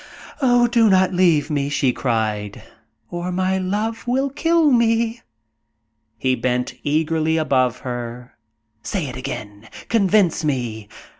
"Oh, do not leave me," she cried, "or my love will kill me!" He bent eagerly above her. "Say it again convince me!"